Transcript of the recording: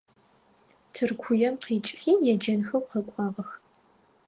Тыркуем къикIыхи еджэнхэу къэкIуагъэх.